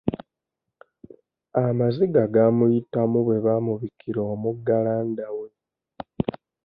Amaziga gaamuyitamu bwe baamubikira omugalanda we.